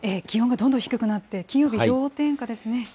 気温がどんどん低くなって、金曜日、氷点下ですね。